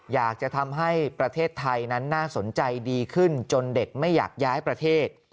อยากจะทำให้ประเทศไทยนั้นน่าสนใจดีขึ้นจนเด็กไม่อยากย้ายประเทศ